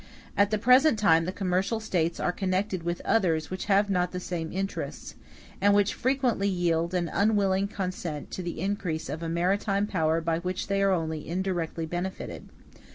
At the present time the commercial States are connected with others which have not the same interests, and which frequently yield an unwilling consent to the increase of a maritime power by which they are only indirectly benefited.